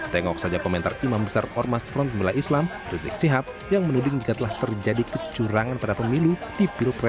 tengok saja komentar imam besar ormas front pembela islam rizik sihab yang menuding jika telah terjadi kecurangan pada pemilu di pilpres dua ribu dua puluh